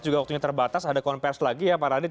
juga waktunya terbatas ada konversi lagi ya pak radit